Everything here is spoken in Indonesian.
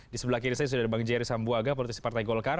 di sebelah kiri saya sudah ada bang jerry sambuaga politisi partai golkar